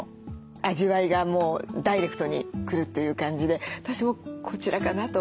味わいがもうダイレクトに来るという感じで私もこちらかなと。